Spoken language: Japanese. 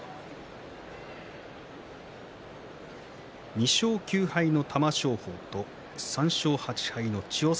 ２勝９敗の玉正鳳と３勝８敗の千代栄。